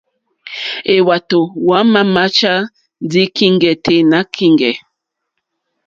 Hwátò hwámà máchá ndí kíŋgɛ̀ tɛ́ nà kíŋgɛ̀.